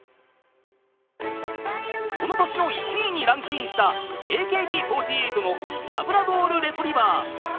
［この年の１位にランクインしたＡＫＢ４８の『ラブラドール・レトリバー』］